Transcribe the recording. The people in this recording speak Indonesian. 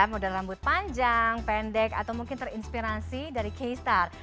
model rambut panjang pendek atau mungkin terinspirasi dari k star